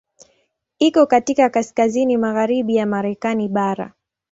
Iko katika kaskazini magharibi ya Marekani bara.